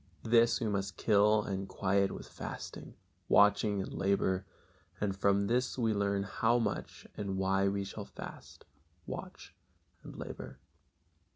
This we must kill and quiet with fasting, watching and labor, and from this we learn how much and why we shall fast, watch and labor.